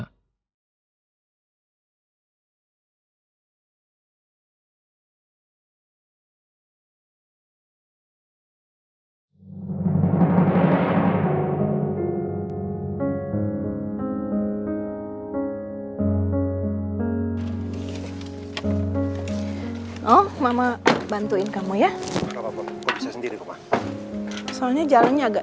sampai jumpa di video selanjutnya